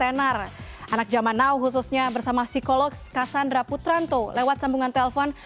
ada tenor anak zaman now khususnya bersama psikologs kasandra putranto lewat sambungan telepon